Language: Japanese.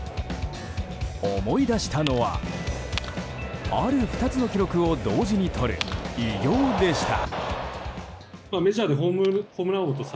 思い出したのはある２つの記録を同時にとる偉業でした。